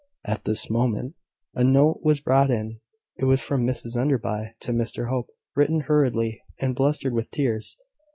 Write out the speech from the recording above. At this moment, a note was brought in. It was from Mrs Enderby to Mr Hope, written hurriedly, and blistered with tears.